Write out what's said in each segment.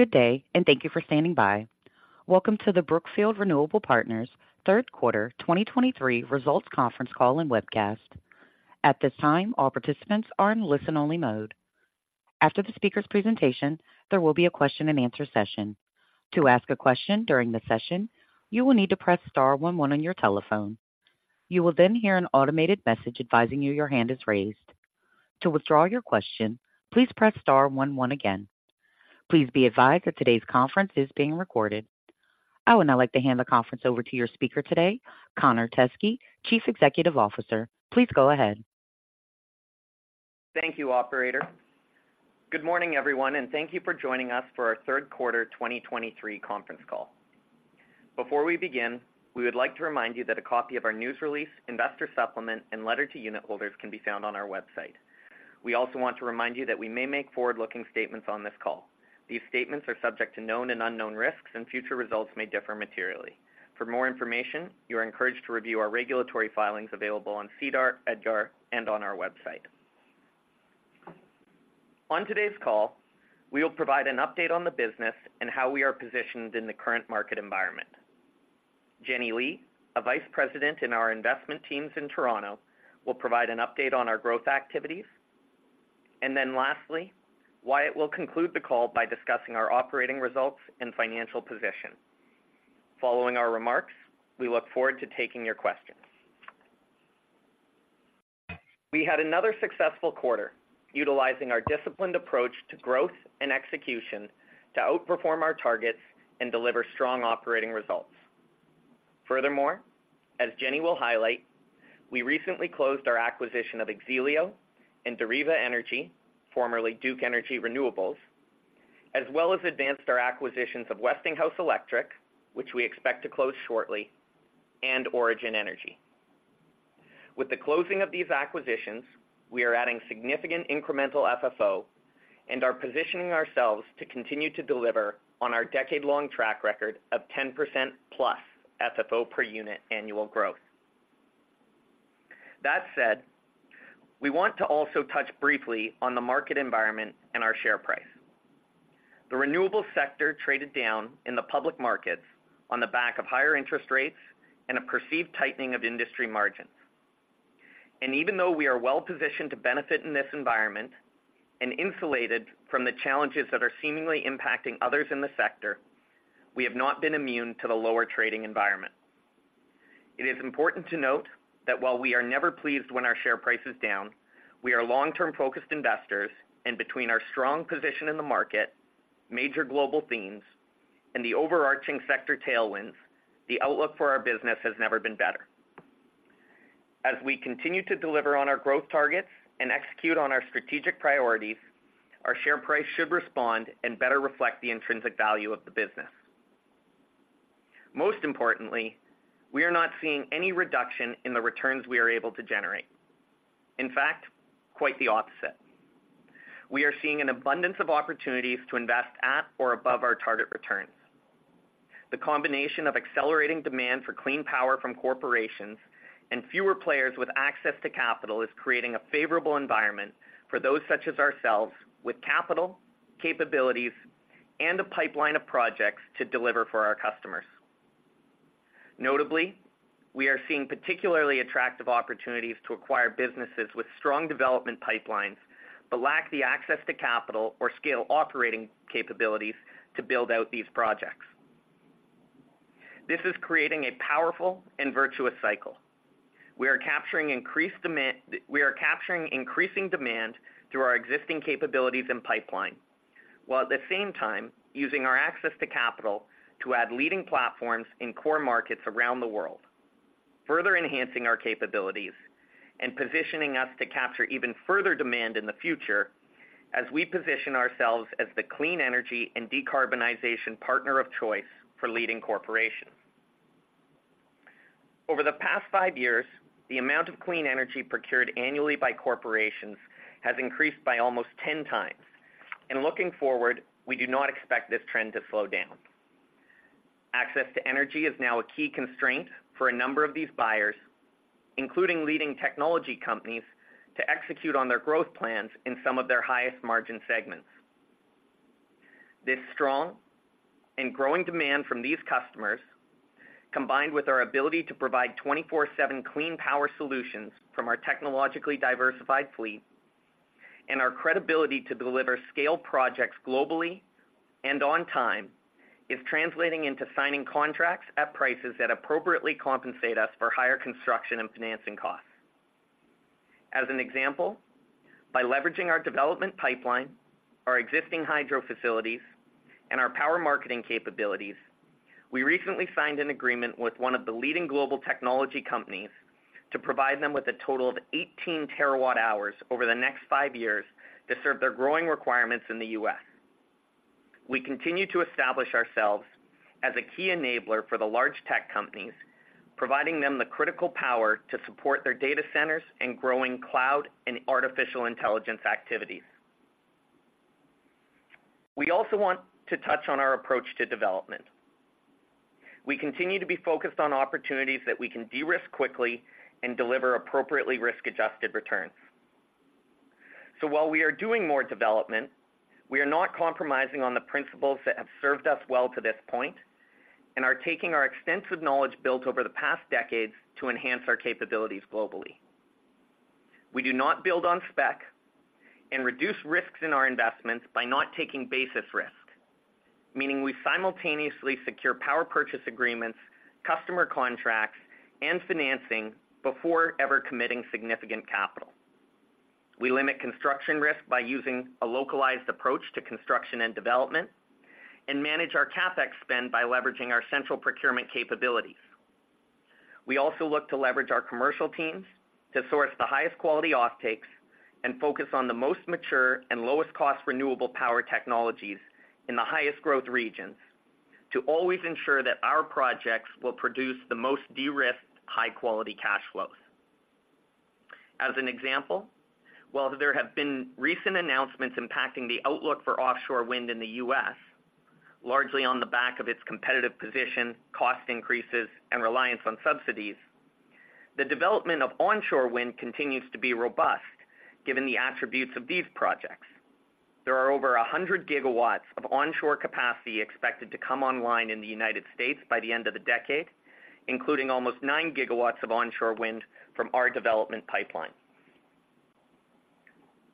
Good day, and thank you for standing by. Welcome to the Brookfield Renewable Partners third quarter 2023 results conference call and webcast. At this time, all participants are in listen-only mode. After the speaker's presentation, there will be a question-and-answer session. To ask a question during the session, you will need to press star one one on your telephone. You will then hear an automated message advising you your hand is raised. To withdraw your question, please press star one one again. Please be advised that today's conference is being recorded. I would now like to hand the conference over to your speaker today, Connor Teskey, Chief Executive Officer. Please go ahead. Thank you, operator. Good morning, everyone, and thank you for joining us for our third quarter 2023 conference call. Before we begin, we would like to remind you that a copy of our news release, investor supplement, and letter to unitholders can be found on our website. We also want to remind you that we may make forward-looking statements on this call. These statements are subject to known and unknown risks, and future results may differ materially. For more information, you are encouraged to review our regulatory filings available on SEDAR, EDGAR, and on our website. On today's call, we will provide an update on the business and how we are positioned in the current market environment. Jenny Li, a Vice President in our investment teams in Toronto, will provide an update on our growth activities. Then lastly, Wyatt will conclude the call by discussing our operating results and financial position. Following our remarks, we look forward to taking your questions. We had another successful quarter, utilizing our disciplined approach to growth and execution to outperform our targets and deliver strong operating results. Furthermore, as Jenny will highlight, we recently closed our acquisition of X-ELIO and Deriva Energy, formerly Duke Energy Renewables, as well as advanced our acquisitions of Westinghouse Electric, which we expect to close shortly, and Origin Energy. With the closing of these acquisitions, we are adding significant incremental FFO and are positioning ourselves to continue to deliver on our decade-long track record of 10%+ FFO per unit annual growth. That said, we want to also touch briefly on the market environment and our share price. The renewable sector traded down in the public markets on the back of higher interest rates and a perceived tightening of industry margins. Even though we are well-positioned to benefit in this environment and insulated from the challenges that are seemingly impacting others in the sector, we have not been immune to the lower trading environment. It is important to note that while we are never pleased when our share price is down, we are long-term-focused investors, and between our strong position in the market, major global themes, and the overarching sector tailwinds, the outlook for our business has never been better. As we continue to deliver on our growth targets and execute on our strategic priorities, our share price should respond and better reflect the intrinsic value of the business. Most importantly, we are not seeing any reduction in the returns we are able to generate. In fact, quite the opposite. We are seeing an abundance of opportunities to invest at or above our target returns. The combination of accelerating demand for clean power from corporations and fewer players with access to capital is creating a favorable environment for those such as ourselves, with capital, capabilities, and a pipeline of projects to deliver for our customers. Notably, we are seeing particularly attractive opportunities to acquire businesses with strong development pipelines, but lack the access to capital or scale operating capabilities to build out these projects. This is creating a powerful and virtuous cycle. We are capturing increasing demand through our existing capabilities and pipeline, while at the same time using our access to capital to add leading platforms in core markets around the world, further enhancing our capabilities and positioning us to capture even further demand in the future as we position ourselves as the clean energy and decarbonization partner of choice for leading corporations. Over the past five years, the amount of clean energy procured annually by corporations has increased by almost 10x, and looking forward, we do not expect this trend to slow down. Access to energy is now a key constraint for a number of these buyers, including leading technology companies, to execute on their growth plans in some of their highest-margin segments. This strong and growing demand from these customers, combined with our ability to provide 24/7 clean power solutions from our technologically diversified fleet and our credibility to deliver scale projects globally and on time, is translating into signing contracts at prices that appropriately compensate us for higher construction and financing costs. As an example, by leveraging our development pipeline, our existing hydro facilities, and our power marketing capabilities, we recently signed an agreement with one of the leading global technology companies to provide them with a total of 18 terawatt-hours over the next five years to serve their growing requirements in the U.S. We continue to establish ourselves as a key enabler for the large tech companies, providing them the critical power to support their data centers and growing cloud and artificial intelligence activities. We also want to touch on our approach to development. We continue to be focused on opportunities that we can de-risk quickly and deliver appropriately risk-adjusted returns. So while we are doing more development, we are not compromising on the principles that have served us well to this point and are taking our extensive knowledge built over the past decades to enhance our capabilities globally. We do not build on spec and reduce risks in our investments by not taking basis risk, meaning we simultaneously secure power purchase agreements, customer contracts, and financing before ever committing significant capital. We limit construction risk by using a localized approach to construction and development, and manage our CapEx spend by leveraging our central procurement capabilities. We also look to leverage our commercial teams to source the highest quality offtakes and focus on the most mature and lowest-cost renewable power technologies in the highest growth regions, to always ensure that our projects will produce the most de-risked, high-quality cash flows. As an example, while there have been recent announcements impacting the outlook for offshore wind in the U.S., largely on the back of its competitive position, cost increases, and reliance on subsidies, the development of onshore wind continues to be robust given the attributes of these projects. There are over 100 GW of onshore capacity expected to come online in the United States by the end of the decade, including almost 9 GW of onshore wind from our development pipeline.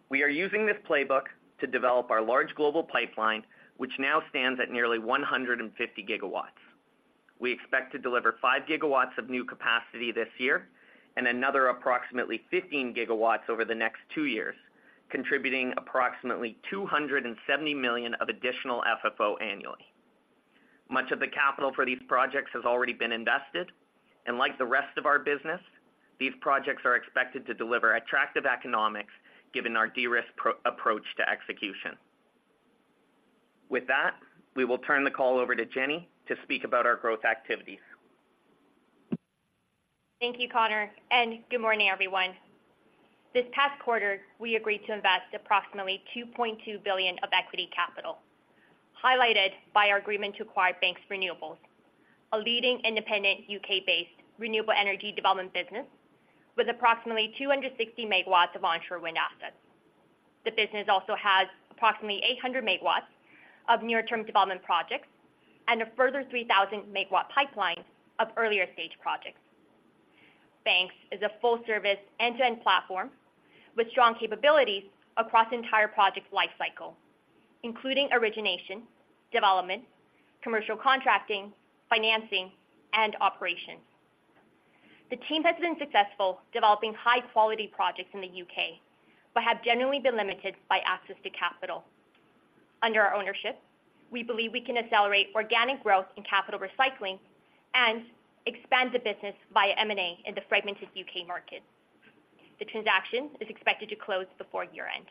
We are using this playbook to develop our large global pipeline, which now stands at nearly 150 GW. We expect to deliver 5 GW of new capacity this year and another approximately 15 GW over the next two years, contributing approximately $270 million of additional FFO annually. Much of the capital for these projects has already been invested, and like the rest of our business, these projects are expected to deliver attractive economics given our de-risk pro- approach to execution. With that, we will turn the call over to Jenny to speak about our growth activities. Thank you, Connor, and good morning, everyone. This past quarter, we agreed to invest approximately $2.2 billion of equity capital, highlighted by our agreement to acquire Banks Renewables, a leading independent U.K.-based renewable energy development business with approximately 260 MW of onshore wind assets. The business also has approximately 800 MW of near-term development projects and a further 3,000-MW pipeline of earlier-stage projects. Banks is a full-service, end-to-end platform with strong capabilities across the entire project lifecycle, including origination, development, commercial contracting, financing, and operations. The team has been successful developing high-quality projects in the U.K., but have generally been limited by access to capital. Under our ownership, we believe we can accelerate organic growth in capital recycling and expand the business via M&A in the fragmented U.K. market. The transaction is expected to close before year-end.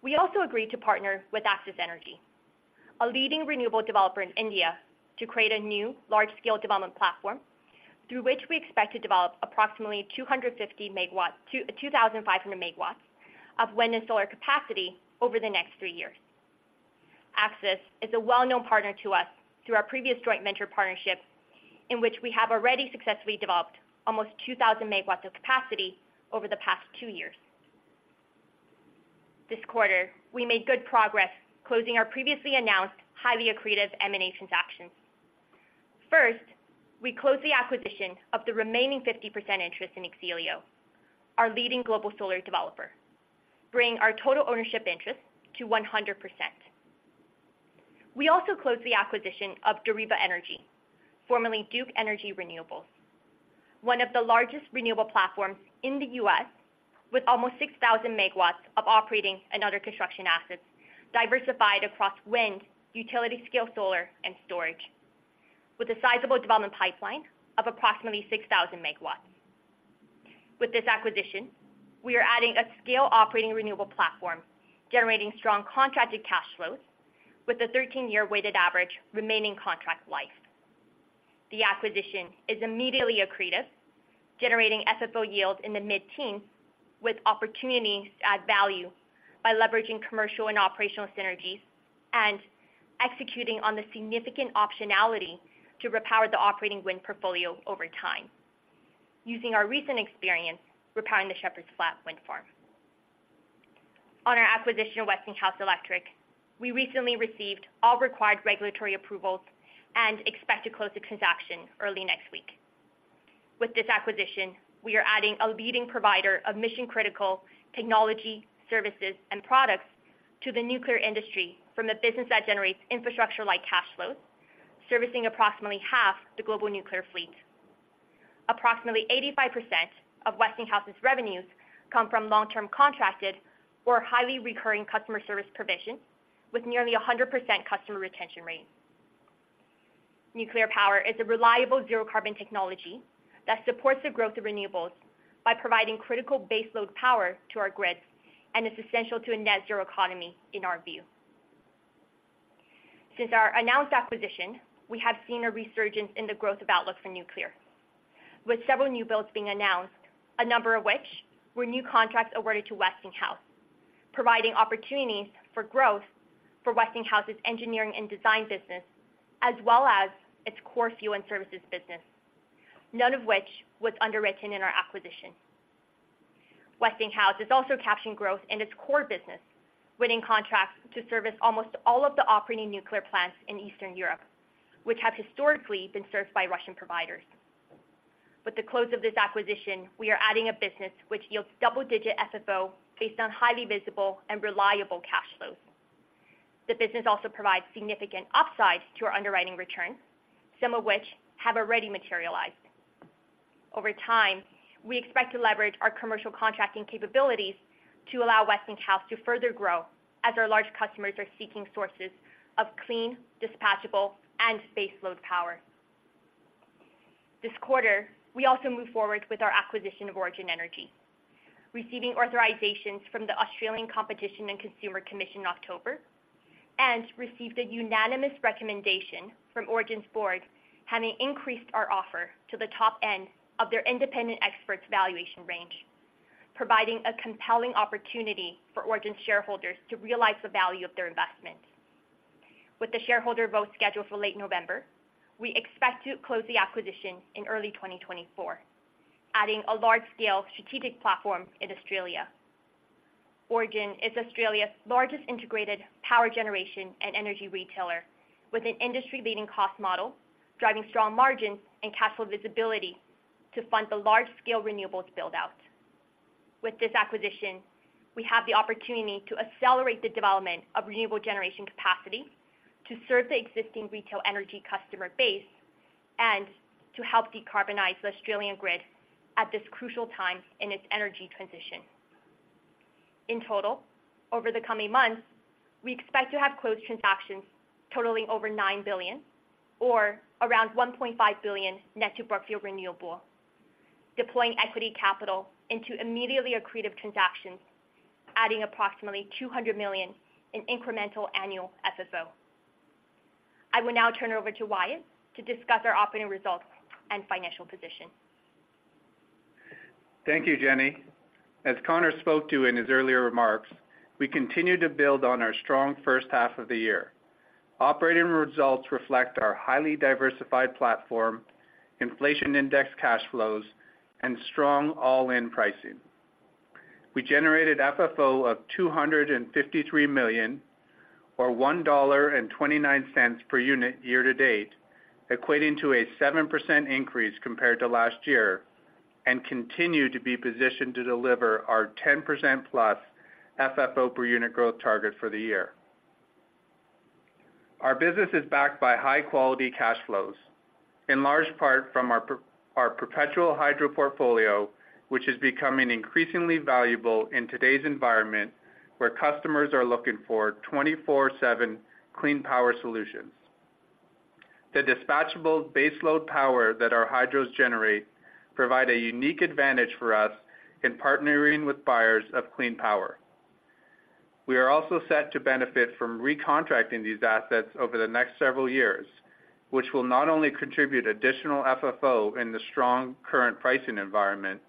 We also agreed to partner with Axis Energy, a leading renewable developer in India, to create a new large-scale development platform, through which we expect to develop approximately 250 MW, 2,500 MW of wind and solar capacity over the next three years. Axis is a well-known partner to us through our previous joint venture partnership, in which we have already successfully developed almost 2,000 MW of capacity over the past two years. This quarter, we made good progress closing our previously announced highly accretive M&A transactions. First, we closed the acquisition of the remaining 50% interest in X-ELIO, our leading global solar developer, bringing our total ownership interest to 100%. We also closed the acquisition of Deriva Energy, formerly Duke Energy Renewables, one of the largest renewable platforms in the U.S., with almost 6,000 MW of operating and under-construction assets diversified across wind, utility-scale solar, and storage, with a sizable development pipeline of approximately 6,000 MW. With this acquisition, we are adding a scale operating renewable platform, generating strong contracted cash flows with a 13-year weighted average remaining contract life. The acquisition is immediately accretive, generating FFO yields in the mid-teens, with opportunities to add value by leveraging commercial and operational synergies and executing on the significant optionality to repower the operating wind portfolio over time, using our recent experience repowering the Shepherds Flat Wind Farm. On our acquisition of Westinghouse Electric, we recently received all required regulatory approvals and expect to close the transaction early next week. With this acquisition, we are adding a leading provider of mission-critical technology, services, and products to the nuclear industry from a business that generates infrastructure-like cash flows, servicing approximately half the global nuclear fleet. Approximately 85% of Westinghouse's revenues come from long-term contracted or highly recurring customer service provision, with nearly 100% customer retention rate. Nuclear power is a reliable zero-carbon technology that supports the growth of renewables by providing critical baseload power to our grids and is essential to a net zero economy, in our view. Since our announced acquisition, we have seen a resurgence in the growth of outlook for nuclear with several new builds being announced, a number of which were new contracts awarded to Westinghouse, providing opportunities for growth for Westinghouse's engineering and design business, as well as its core fuel and services business, none of which was underwritten in our acquisition. Westinghouse is also capturing growth in its core business, winning contracts to service almost all of the operating nuclear plants in Eastern Europe, which have historically been served by Russian providers. With the close of this acquisition, we are adding a business which yields double-digit FFO based on highly visible and reliable cash flows. The business also provides significant upside to our underwriting returns, some of which have already materialized. Over time, we expect to leverage our commercial contracting capabilities to allow Westinghouse to further grow as our large customers are seeking sources of clean, dispatchable, and baseload power. This quarter, we also moved forward with our acquisition of Origin Energy, receiving authorizations from the Australian Competition and Consumer Commission in October, and received a unanimous recommendation from Origin's board, having increased our offer to the top end of their independent expert's valuation range, providing a compelling opportunity for Origin's shareholders to realize the value of their investment. With the shareholder vote scheduled for late November, we expect to close the acquisition in early 2024, adding a large-scale strategic platform in Australia. Origin is Australia's largest integrated power generation and energy retailer, with an industry-leading cost model, driving strong margins and cash flow visibility to fund the large-scale renewables build-out. With this acquisition, we have the opportunity to accelerate the development of renewable generation capacity to serve the existing retail energy customer base and to help decarbonize the Australian grid at this crucial time in its energy transition. In total, over the coming months, we expect to have closed transactions totaling over $9 billion, or around $1.5 billion net to Brookfield Renewable, deploying equity capital into immediately accretive transactions, adding approximately $200 million in incremental annual FFO. I will now turn it over to Wyatt to discuss our operating results and financial position. Thank you, Jenny. As Connor spoke to in his earlier remarks, we continue to build on our strong first half of the year. Operating results reflect our highly diversified platform, inflation-indexed cash flows, and strong all-in pricing. We generated FFO of $253 million, or $1.29 per unit year to date, equating to a 7% increase compared to last year, and continue to be positioned to deliver our 10%+ FFO per unit growth target for the year. Our business is backed by high-quality cash flows, in large part from our perpetual hydro portfolio, which is becoming increasingly valuable in today's environment, where customers are looking for 24/7 clean power solutions. The dispatchable baseload power that our hydros generate provide a unique advantage for us in partnering with buyers of clean power. We are also set to benefit from recontracting these assets over the next several years, which will not only contribute additional FFO in the strong current pricing environment,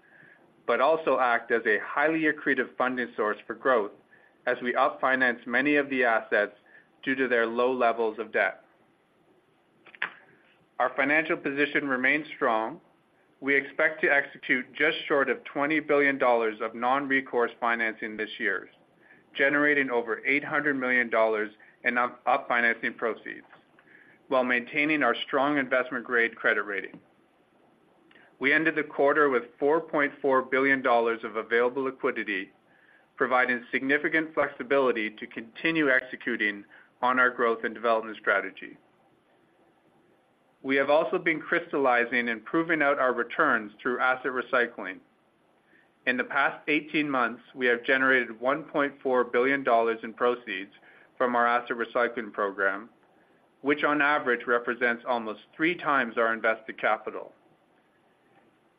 but also act as a highly accretive funding source for growth as we up-finance many of the assets due to their low levels of debt. Our financial position remains strong. We expect to execute just short of $20 billion of non-recourse financing this year, generating over $800 million in up-financing proceeds, while maintaining our strong investment-grade credit rating. We ended the quarter with $4.4 billion of available liquidity, providing significant flexibility to continue executing on our growth and development strategy. We have also been crystallizing and proving out our returns through asset recycling. In the past 18 months, we have generated $1.4 billion in proceeds from our asset recycling program, which on average represents almost 3x our invested capital.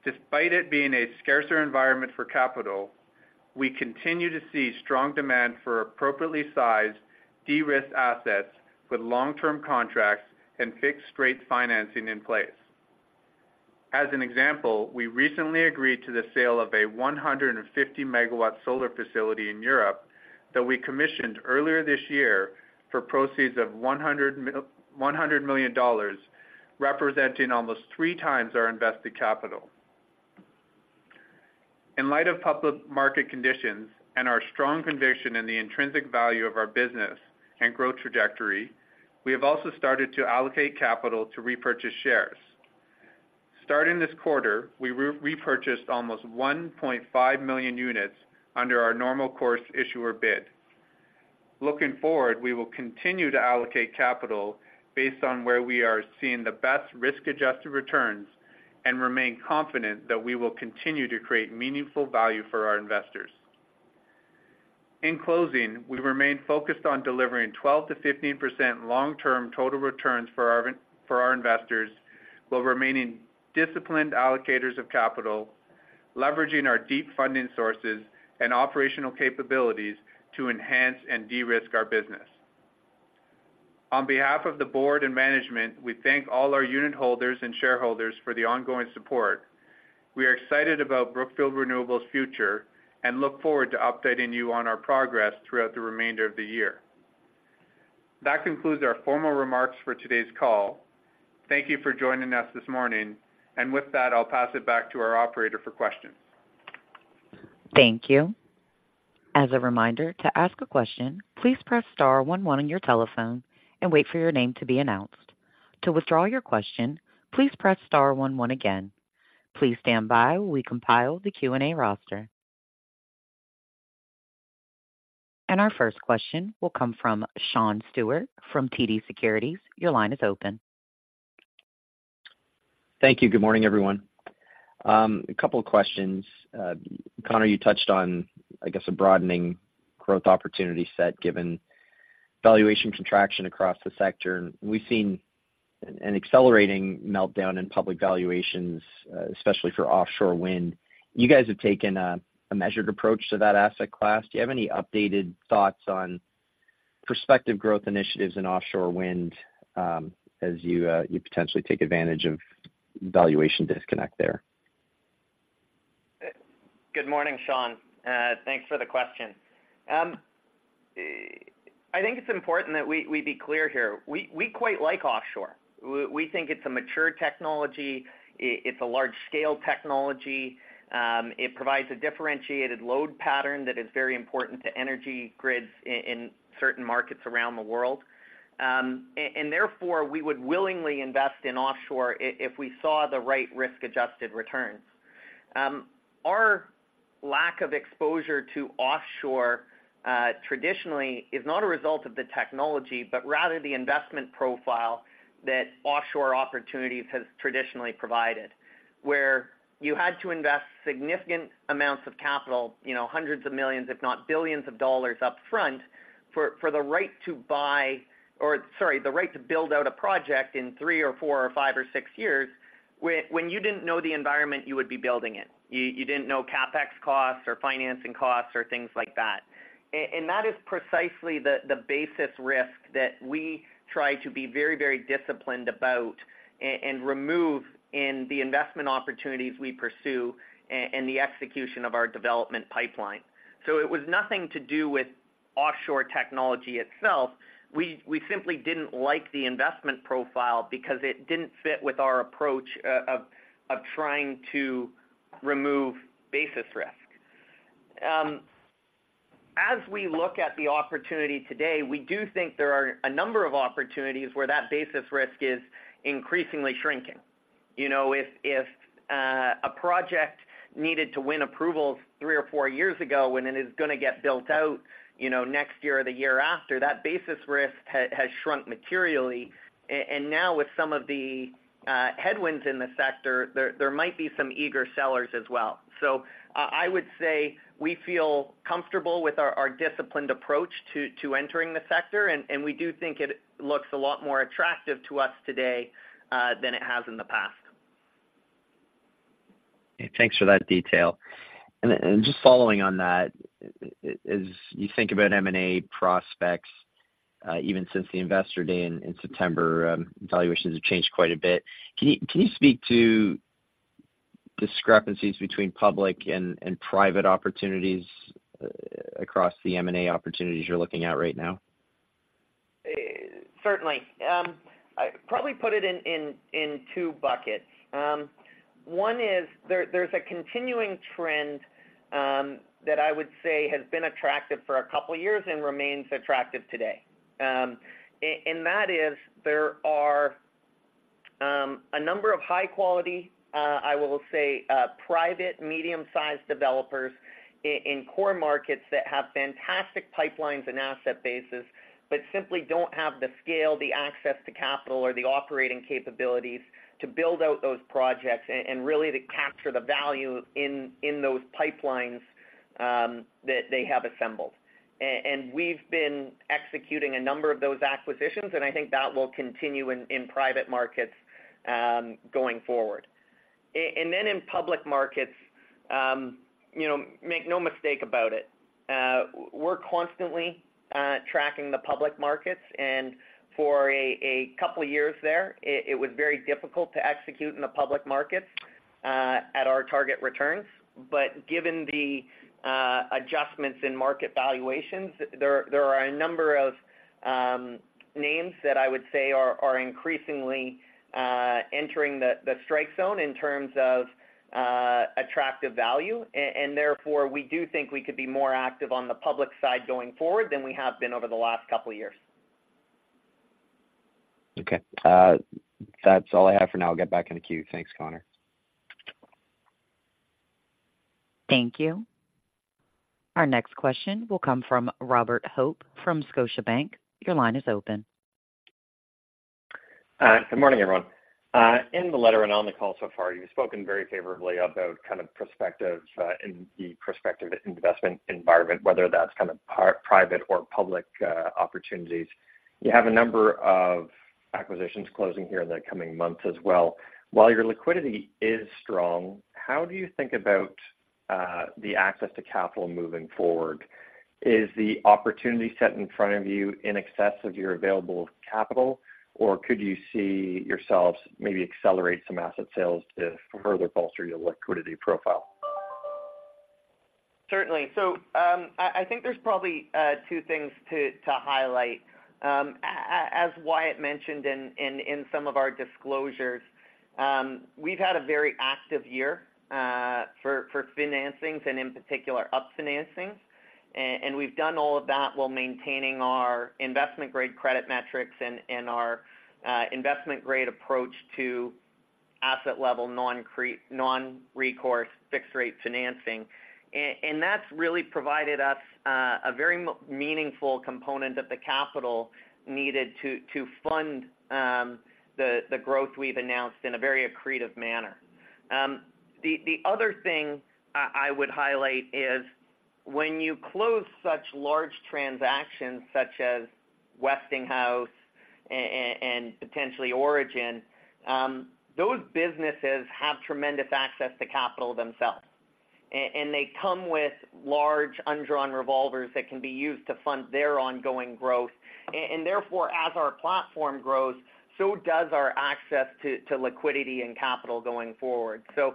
Despite it being a scarcer environment for capital, we continue to see strong demand for appropriately sized, de-risked assets with long-term contracts and fixed-rate financing in place. As an example, we recently agreed to the sale of a 150-MW solar facility in Europe that we commissioned earlier this year for proceeds of $100 million, representing almost 3x our invested capital. In light of public market conditions and our strong conviction in the intrinsic value of our business and growth trajectory, we have also started to allocate capital to repurchase shares. Starting this quarter, we repurchased almost 1.5 million units under our Normal Course Issuer Bid. Looking forward, we will continue to allocate capital based on where we are seeing the best risk-adjusted returns and remain confident that we will continue to create meaningful value for our investors. In closing, we remain focused on delivering 12%-15% long-term total returns for our investors, while remaining disciplined allocators of capital, leveraging our deep funding sources and operational capabilities to enhance and de-risk our business. On behalf of the board and management, we thank all our unitholders and shareholders for the ongoing support. We are excited about Brookfield Renewable's future and look forward to updating you on our progress throughout the remainder of the year. That concludes our formal remarks for today's call. Thank you for joining us this morning. And with that, I'll pass it back to our operator for questions. Thank you. As a reminder, to ask a question, please press star one one on your telephone and wait for your name to be announced. To withdraw your question, please press star one one again. Please stand by while we compile the Q&A roster. Our first question will come from Sean Steuart from TD Securities. Your line is open. Thank you. Good morning, everyone. A couple of questions. Connor, you touched on, I guess, a broadening growth opportunity set given valuation contraction across the sector. We've seen an accelerating meltdown in public valuations, especially for offshore wind. You guys have taken a measured approach to that asset class. Do you have any updated thoughts on prospective growth initiatives in offshore wind, as you potentially take advantage of valuation disconnect there? Good morning, Sean. Thanks for the question. I think it's important that we be clear here. We quite like offshore. We think it's a mature technology, it's a large-scale technology, it provides a differentiated load pattern that is very important to energy grids in certain markets around the world. And therefore, we would willingly invest in offshore if we saw the right risk-adjusted returns. Our lack of exposure to offshore, traditionally, is not a result of the technology, but rather the investment profile that offshore opportunities has traditionally provided, where you had to invest significant amounts of capital, you know, hundreds of millions, if not billions of dollars upfront, for the right to buy, or sorry, the right to build out a project in three or four or five or six years, when you didn't know the environment you would be building in. You didn't know CapEx costs or financing costs or things like that. And that is precisely the basis risk that we try to be very, very disciplined about and remove in the investment opportunities we pursue and the execution of our development pipeline. So it was nothing to do with offshore technology itself. We simply didn't like the investment profile because it didn't fit with our approach of trying to remove basis risk. As we look at the opportunity today, we do think there are a number of opportunities where that basis risk is increasingly shrinking. You know, if a project needed to win approvals three or four years ago, when it is going to get built out, you know, next year or the year after, that basis risk has shrunk materially. And now with some of the headwinds in the sector, there might be some eager sellers as well. So I would say we feel comfortable with our disciplined approach to entering the sector, and we do think it looks a lot more attractive to us today than it has in the past. Thanks for that detail. And just following on that, as you think about M&A prospects, even since the Investor Day in September, valuations have changed quite a bit. Can you speak to discrepancies between public and private opportunities across the M&A opportunities you're looking at right now? Certainly. I'd probably put it in two buckets. One is there's a continuing trend that I would say has been attractive for a couple of years and remains attractive today. And that is there are a number of high quality, I will say, private medium-sized developers in core markets that have fantastic pipelines and asset bases, but simply don't have the scale, the access to capital, or the operating capabilities to build out those projects and really to capture the value in those pipelines that they have assembled. And we've been executing a number of those acquisitions, and I think that will continue in private markets going forward. And then in public markets, you know, make no mistake about it, we're constantly tracking the public markets, and for a couple of years there, it was very difficult to execute in the public markets at our target returns. But given the adjustments in market valuations, there are a number of names that I would say are increasingly entering the strike zone in terms of attractive value. And therefore, we do think we could be more active on the public side going forward than we have been over the last couple of years. Okay. That's all I have for now. I'll get back in the queue. Thanks, Connor. Thank you. Our next question will come from Robert Hope, from Scotiabank. Your line is open. Good morning, everyone. In the letter and on the call so far, you've spoken very favorably about kind of prospective, in the prospective investment environment, whether that's kind of private or public opportunities. You have a number of acquisitions closing here in the coming months as well. While your liquidity is strong, how do you think about the access to capital moving forward? Is the opportunity set in front of you in excess of your available capital, or could you see yourselves maybe accelerate some asset sales to further bolster your liquidity profile? Certainly. So, I think there's probably two things to highlight. As Wyatt mentioned in some of our disclosures, we've had a very active year for financings, and in particular, up financings. We've done all of that while maintaining our investment-grade credit metrics and our investment-grade approach to asset-level non-recourse fixed-rate financing. That's really provided us a very meaningful component of the capital needed to fund the growth we've announced in a very accretive manner. The other thing I would highlight is when you close such large transactions, such as Westinghouse and potentially Origin, those businesses have tremendous access to capital themselves. They come with large undrawn revolvers that can be used to fund their ongoing growth. And therefore, as our platform grows, so does our access to liquidity and capital going forward. So,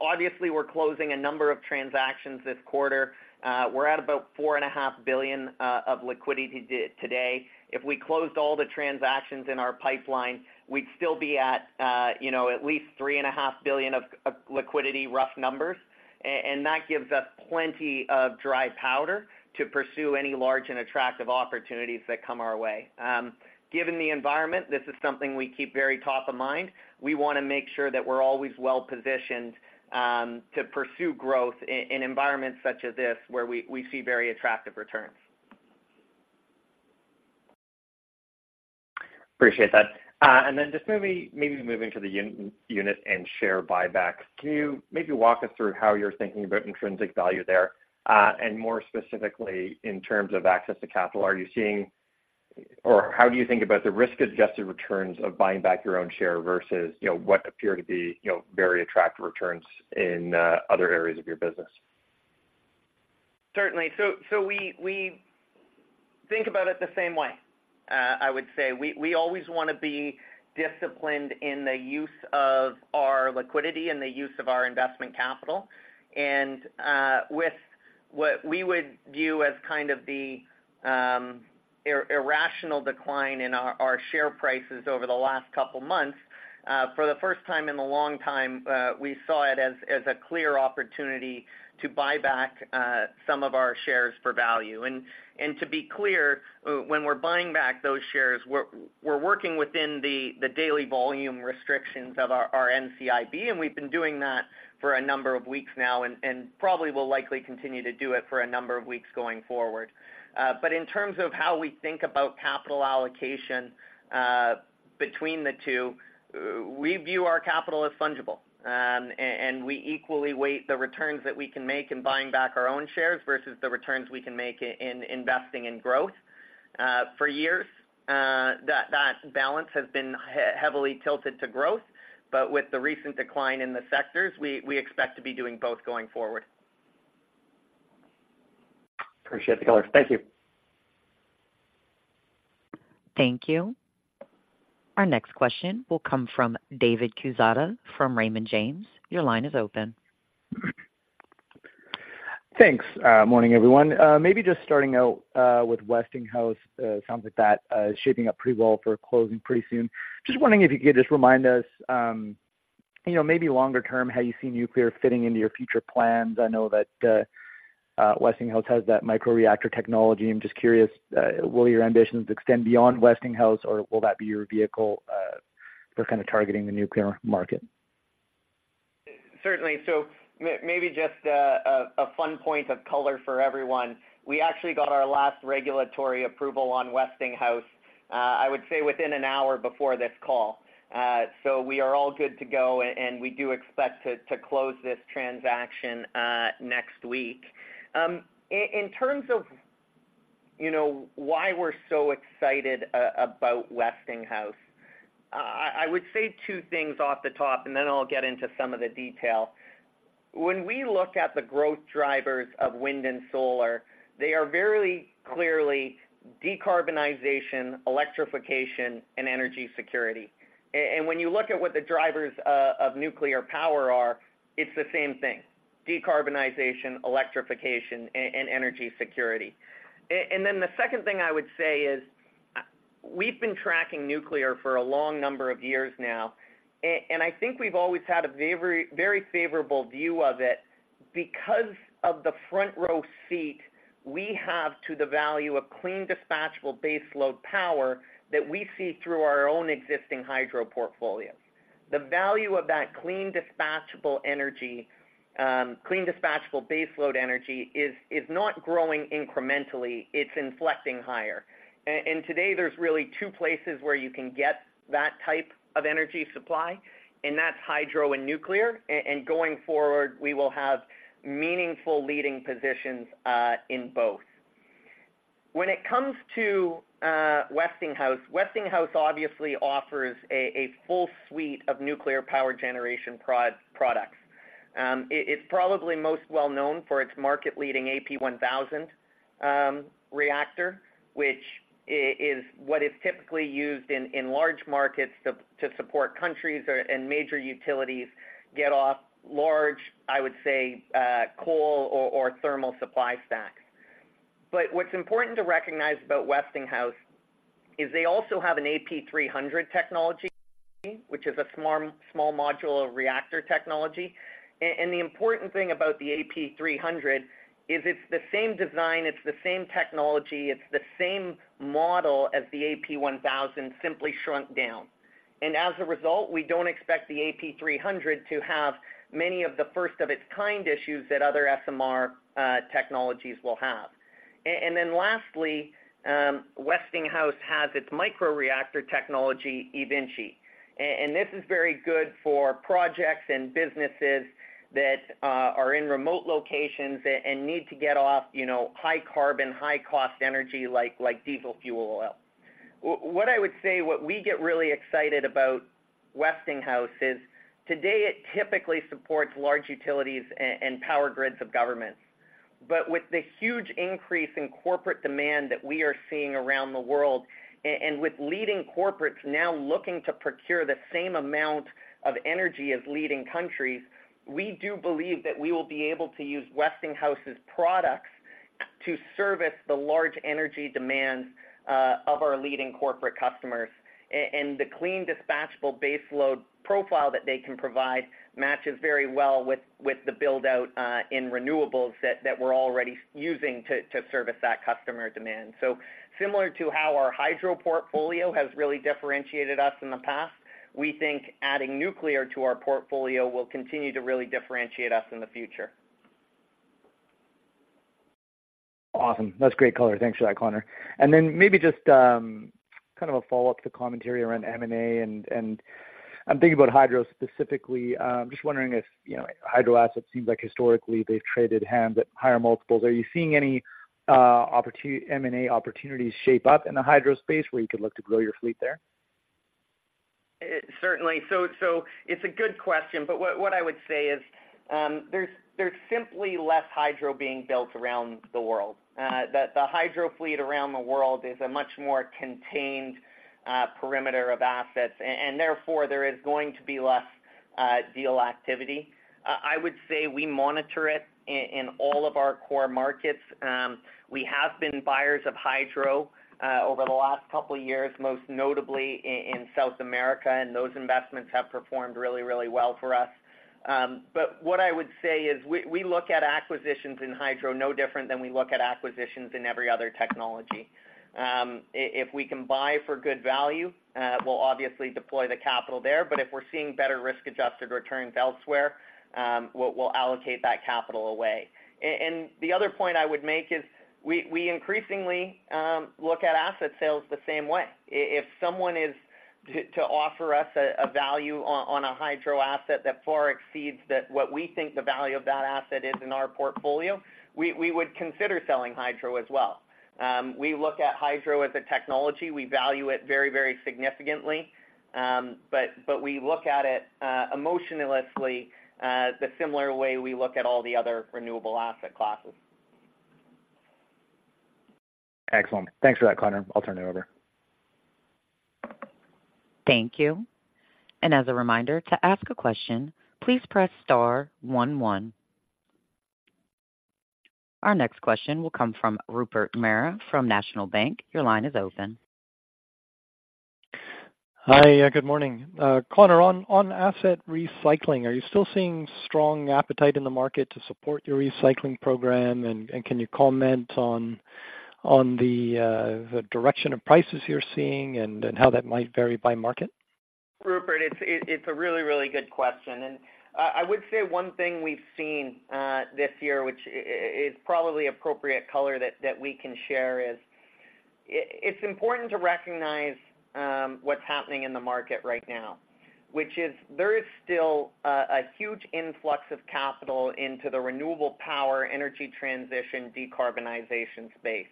obviously, we're closing a number of transactions this quarter. We're at about $4.5 billion of liquidity today. If we closed all the transactions in our pipeline, we'd still be at, you know, at least $3.5 billion of liquidity, rough numbers. And that gives us plenty of dry powder to pursue any large and attractive opportunities that come our way. Given the environment, this is something we keep very top of mind. We wanna make sure that we're always well-positioned to pursue growth in environments such as this, where we see very attractive returns. Appreciate that. And then just maybe, maybe moving to the unit and share buybacks. Can you maybe walk us through how you're thinking about intrinsic value there? And more specifically, in terms of access to capital, are you seeing-- or how do you think about the risk-adjusted returns of buying back your own share versus, you know, what appear to be, you know, very attractive returns in, other areas of your business? Certainly. So we think about it the same way. I would say we always wanna be disciplined in the use of our liquidity and the use of our investment capital. And with what we would view as kind of the irrational decline in our share prices over the last couple months, for the first time in a long time, we saw it as a clear opportunity to buy back some of our shares for value. And to be clear, when we're buying back those shares, we're working within the daily volume restrictions of our NCIB, and we've been doing that for a number of weeks now, and probably will likely continue to do it for a number of weeks going forward. But in terms of how we think about capital allocation, between the two, we view our capital as fungible. And we equally weight the returns that we can make in buying back our own shares versus the returns we can make in investing in growth. For years, that balance has been heavily tilted to growth, but with the recent decline in the sectors, we expect to be doing both going forward. Appreciate the color. Thank you. Thank you. Our next question will come from David Quezada from Raymond James. Your line is open. Thanks. Morning, everyone. Maybe just starting out, with Westinghouse, sounds like that is shaping up pretty well for closing pretty soon. Just wondering if you could just remind us, you know, maybe longer term, how you see nuclear fitting into your future plans. I know that Westinghouse has that microreactor technology. I'm just curious, will your ambitions extend beyond Westinghouse, or will that be your vehicle, for kind of targeting the nuclear market? Certainly. So maybe just a fun point of color for everyone. We actually got our last regulatory approval on Westinghouse, I would say, within an hour before this call. So we are all good to go, and we do expect to close this transaction next week. In terms of, you know, why we're so excited about Westinghouse, I would say two things off the top, and then I'll get into some of the detail. When we look at the growth drivers of wind and solar, they are very clearly decarbonization, electrification, and energy security. And when you look at what the drivers of nuclear power are, it's the same thing: decarbonization, electrification, and energy security. And then the second thing I would say is, we've been tracking nuclear for a long number of years now, and I think we've always had a very favorable view of it because of the front-row seat we have to the value of clean, dispatchable baseload power that we see through our own existing hydro portfolio. The value of that clean, dispatchable energy, clean, dispatchable baseload energy is not growing incrementally, it's inflecting higher. And today, there's really two places where you can get that type of energy supply, and that's hydro and nuclear, and going forward, we will have meaningful leading positions in both. When it comes to Westinghouse, Westinghouse obviously offers a full suite of nuclear power generation products. It's probably most well known for its market-leading AP1000 reactor, which is what is typically used in large markets to support countries or and major utilities get off large, I would say, coal or thermal supply stacks. But what's important to recognize about Westinghouse is they also have an AP300 technology, which is a small modular reactor technology. And the important thing about the AP300 is it's the same design, it's the same technology, it's the same model as the AP1000, simply shrunk down. And as a result, we don't expect the AP300 to have many of the first of its kind issues that other SMR technologies will have. And then lastly, Westinghouse has its microreactor technology, eVinci. This is very good for projects and businesses that are in remote locations and need to get off, you know, high carbon, high-cost energy, like diesel fuel oil. What I would say, what we get really excited about Westinghouse is, today it typically supports large utilities and power grids of governments. But with the huge increase in corporate demand that we are seeing around the world, and with leading corporates now looking to procure the same amount of energy as leading countries, we do believe that we will be able to use Westinghouse's products to service the large energy demands of our leading corporate customers. And the clean, dispatchable baseload profile that they can provide matches very well with the build-out in renewables that we're already using to service that customer demand. Similar to how our hydro portfolio has really differentiated us in the past, we think adding nuclear to our portfolio will continue to really differentiate us in the future. Awesome. That's great color. Thanks for that, Connor. And then maybe just kind of a follow-up to commentary around M&A, and I'm thinking about hydro specifically. Just wondering if, you know, hydro assets seems like historically they've traded hand, but higher multiples. Are you seeing any M&A opportunities shape up in the hydro space where you could look to grow your fleet there? Certainly. So it's a good question, but what I would say is, there's simply less hydro being built around the world. The hydro fleet around the world is a much more contained perimeter of assets, and therefore, there is going to be less deal activity. I would say we monitor it in all of our core markets. We have been buyers of hydro over the last couple of years, most notably in South America, and those investments have performed really, really well for us. But what I would say is we look at acquisitions in hydro no different than we look at acquisitions in every other technology. If we can buy for good value, we'll obviously deploy the capital there, but if we're seeing better risk-adjusted returns elsewhere, we'll allocate that capital away. And the other point I would make is we increasingly look at asset sales the same way. If someone is to offer us a value on a hydro asset that far exceeds what we think the value of that asset is in our portfolio, we would consider selling hydro as well. We look at hydro as a technology. We value it very, very significantly, but we look at it emotionlessly, the similar way we look at all the other renewable asset classes. Excellent. Thanks for that, Connor. I'll turn it over. Thank you. And as a reminder, to ask a question, please press star one, one. Our next question will come from Rupert Merer from National Bank. Your line is open. Hi, good morning. Connor, on asset recycling, are you still seeing strong appetite in the market to support your recycling program? And can you comment on the direction of prices you're seeing and how that might vary by market? Rupert, it's a really, really good question. And I would say one thing we've seen this year, which is probably appropriate color that we can share, is it's important to recognize what's happening in the market right now, which is there is still a huge influx of capital into the renewable power, energy transition, decarbonization space.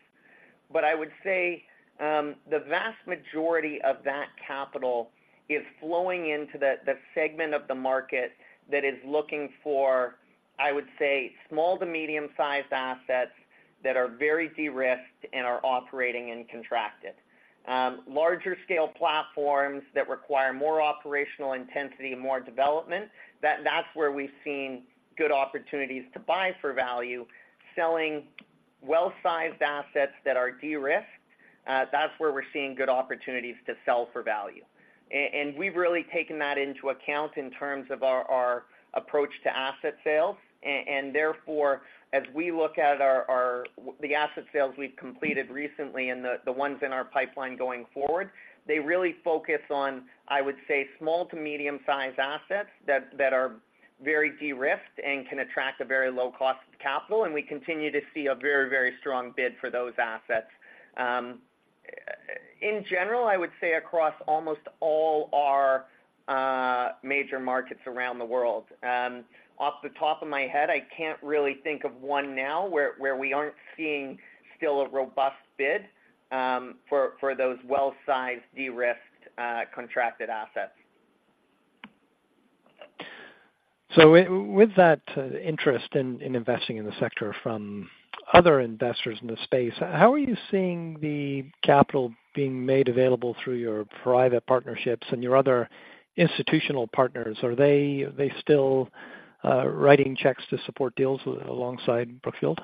But I would say the vast majority of that capital is flowing into the segment of the market that is looking for, I would say, small to medium-sized assets that are very de-risked and are operating and contracted. Larger scale platforms that require more operational intensity and more development, that's where we've seen good opportunities to buy for value, selling well-sized assets that are de-risked, that's where we're seeing good opportunities to sell for value. And we've really taken that into account in terms of our approach to asset sales. And therefore, as we look at our asset sales we've completed recently and the ones in our pipeline going forward, they really focus on, I would say, small to medium-sized assets that are very de-risked and can attract a very low cost of capital, and we continue to see a very, very strong bid for those assets. In general, I would say across almost all our major markets around the world. Off the top of my head, I can't really think of one now where we aren't seeing still a robust bid for those well-sized, de-risked, contracted assets. So with that interest in investing in the sector from other investors in the space, how are you seeing the capital being made available through your private partnerships and your other institutional partners? Are they still writing checks to support deals alongside Brookfield?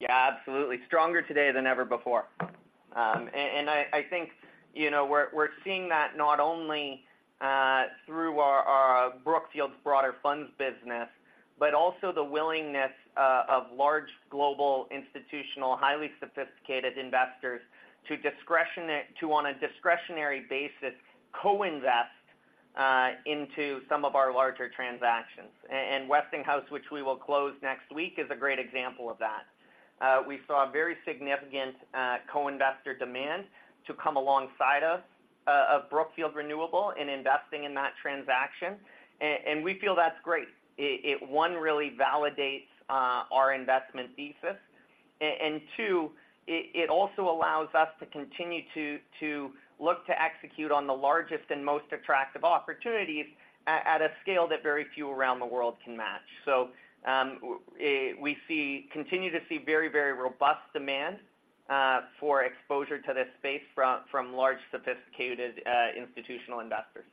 Yeah, absolutely. Stronger today than ever before. And I think, you know, we're seeing that not only through our Brookfield's broader funds business, but also the willingness of large global institutional, highly sophisticated investors to, on a discretionary basis, co-invest into some of our larger transactions. And Westinghouse, which we will close next week, is a great example of that. We saw very significant co-investor demand to come alongside us of Brookfield Renewable in investing in that transaction, and we feel that's great. It one, really validates our investment thesis, and two, it also allows us to continue to look to execute on the largest and most attractive opportunities at a scale that very few around the world can match. So, we continue to see very, very robust demand for exposure to this space from large, sophisticated institutional investors.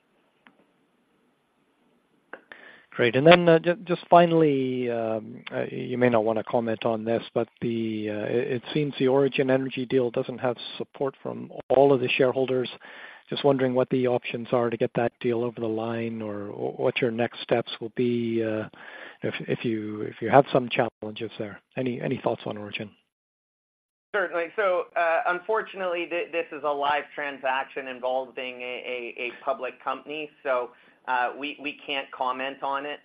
Great. And then, just finally, you may not want to comment on this, but the, it seems the Origin Energy deal doesn't have support from all of the shareholders. Just wondering what the options are to get that deal over the line or what your next steps will be, if you have some challenges there. Any thoughts on Origin? Certainly. So, unfortunately, this is a live transaction involving a public company, so we can't comment on it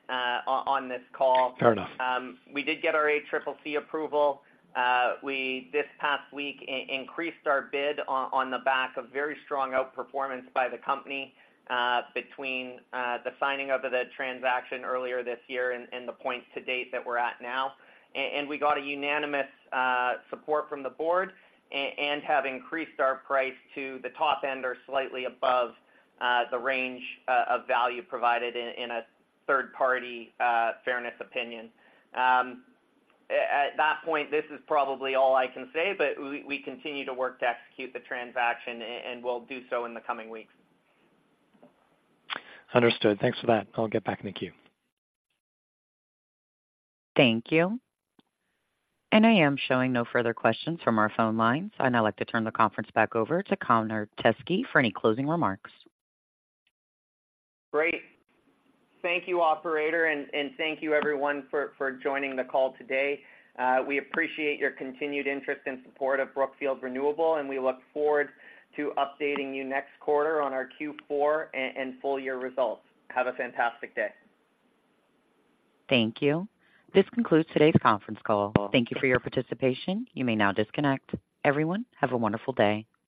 on this call. Fair enough. We did get our ACCC approval. We, this past week, increased our bid on the back of very strong outperformance by the company, between the signing of the transaction earlier this year and the point to date that we're at now. And we got a unanimous support from the board and have increased our price to the top end or slightly above the range of value provided in a third-party fairness opinion. At that point, this is probably all I can say, but we continue to work to execute the transaction, and we'll do so in the coming weeks. Understood. Thanks for that. I'll get back in the queue. Thank you. I am showing no further questions from our phone lines. I'd now like to turn the conference back over to Connor Teskey for any closing remarks. Great. Thank you, operator, and thank you everyone for joining the call today. We appreciate your continued interest and support of Brookfield Renewable, and we look forward to updating you next quarter on our Q4 and full year results. Have a fantastic day. Thank you. This concludes today's conference call. Thank you for your participation. You may now disconnect. Everyone, have a wonderful day.